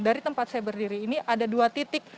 dari tempat saya berdiri ini ada dua titik